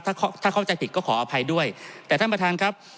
ถ้าถ้าเข้าใจผิดก็ขออภัยด้วยแต่ท่านประธานครับ